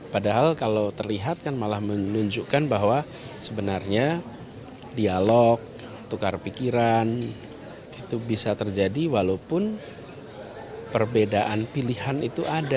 padahal kalau terlihat kan malah menunjukkan bahwa sebenarnya dialog tukar pikiran itu bisa terjadi walaupun perbedaan pilihan itu ada